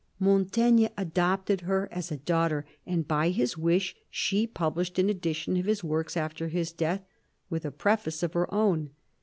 Montaigne adopted her as a daughter, and by his wish she published an edition of his works after his death, with a preface of her own.